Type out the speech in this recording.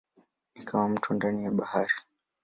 Ni kama mto ndani ya bahari.